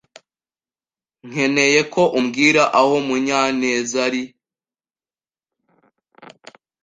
nkeneye ko umbwira aho Munyanezari.